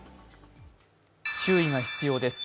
注意が必要です。